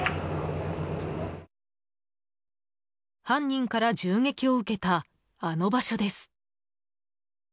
犯人から銃撃を受けたあの場所です。